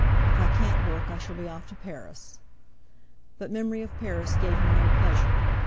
If I can't work, I shall be off to Paris." But memory of Paris gave him no pleasure.